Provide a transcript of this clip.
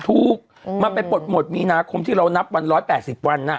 ถูกมันไปปลดหมดมีนาคมที่เรานับวัน๑๘๐วัน